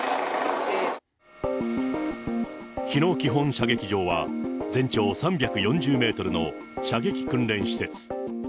日野基本射撃場は、全長３４０メートルの射撃訓練施設。